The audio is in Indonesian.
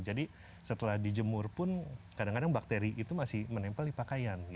jadi setelah dijemur pun kadang kadang bakteri itu masih menempel di pakaian gitu